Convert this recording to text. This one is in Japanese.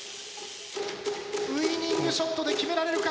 ウイニングショットで決められるか？